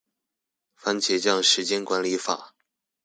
番茄醬時間管理法